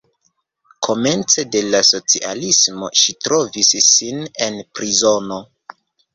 Komence de la socialismo ŝi trovis sin en prizono.